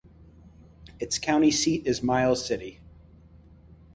Its county seat is Miles City.